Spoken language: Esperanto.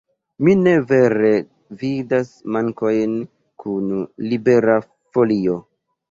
Mi ne vere vidas mankojn kun Libera Folio.